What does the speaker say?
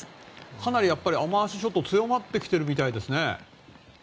かなり雨脚が強まってきているみたいですね。